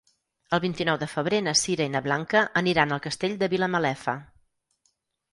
El vint-i-nou de febrer na Sira i na Blanca aniran al Castell de Vilamalefa.